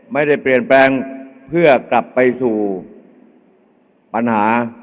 ไม่ได้เปลี่ยนแปลงเพื่อกลับไปสู่ปัญหา